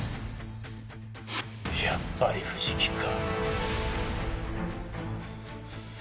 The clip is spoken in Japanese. やっぱり藤木か。